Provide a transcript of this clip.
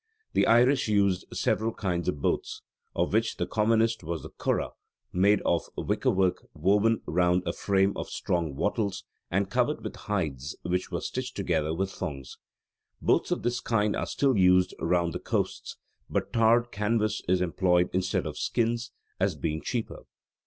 The Irish used several kinds of boats, of which the commonest was the curragh, made of wickerwork woven round a frame of strong wattles, and covered with hides which were stitched together with thongs. Boats of this kind are still used round the coasts, but tarred canvas is employed instead of skins, as being cheaper.